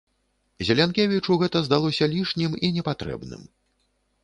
Зелянкевічу гэта здалося лішнім і непатрэбным.